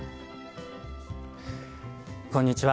こんにちは。